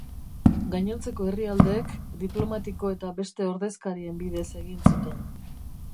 Gainontzeko herrialdeek diplomatiko eta beste ordezkarien bidez egin zuten.